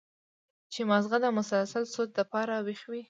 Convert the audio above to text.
چې مازغه د مسلسل سوچ د پاره وېخ وي